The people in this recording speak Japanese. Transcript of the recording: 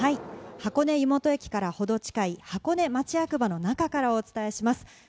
箱根湯本駅からほど近い箱根町役場の中からお伝えします。